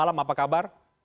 selamat malam apa kabar